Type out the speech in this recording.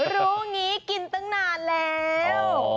รู้อย่างนี้กินตั้งนานแล้ว